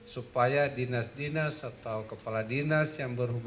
supaya dinas dinas atau kepala dinas yang berhubungan